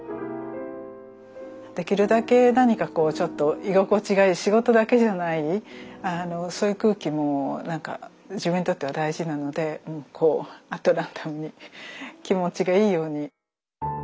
できるだけ何かちょっと居心地がいい仕事だけじゃないそういう空気も自分にとっては大事なのでこうアットランダムに気持ちがいいように。